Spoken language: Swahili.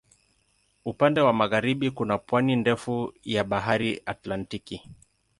Upande wa magharibi kuna pwani ndefu ya Bahari Atlantiki.